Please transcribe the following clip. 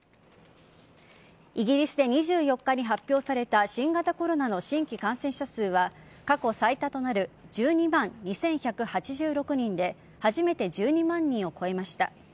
イギリスで２４日に発表された新型コロナの新規感染者数は過去最多となる１２万２１８６人で初めて１２万人を超えました。